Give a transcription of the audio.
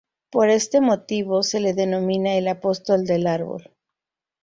Por este motivo se le denomina el "Apóstol del árbol".